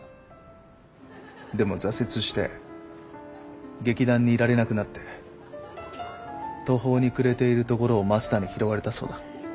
でも挫折して劇団にいられなくなって途方に暮れているところをマスターに拾われたそうだ。